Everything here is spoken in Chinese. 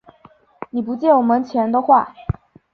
你不借我们钱的话